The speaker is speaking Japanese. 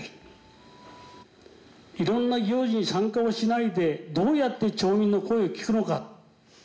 いろんな行事に参加をしないでどうやって町民の声を聞くのか。